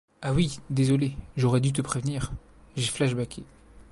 Ah, oui, désolé, j’aurais dû te prévenir : j’ai flash-backé.